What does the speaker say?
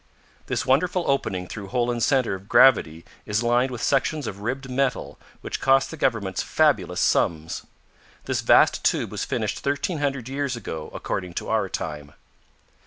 This wonderful opening through Holen's center of gravity is lined with sections of ribbed metal which cost the governments fabulous sums. This vast tube was finished thirteen hundred years ago according to our time.